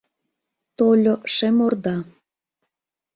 Тольо шем орда…